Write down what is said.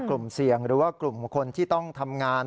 กลุ่มเสี่ยงหรือว่ากลุ่มคนที่ต้องทำงาน